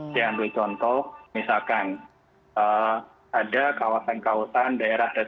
saya ambil contoh misalkan ada kawasan kawasan daerah tertentu